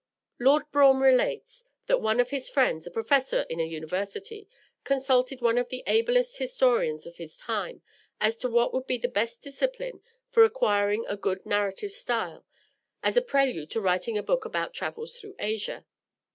Lord Brougham relates that one of his friends, a professor in a university, consulted one of the ablest historians of his time as to what would be the best discipline for acquiring a good narrative style, as a prelude to writing a book of travels through Asia.